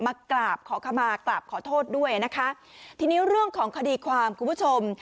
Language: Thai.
มากราบขอขมากราบขอโทษด้วยนะคะทีนี้เรื่องของคดีความคุณผู้ชม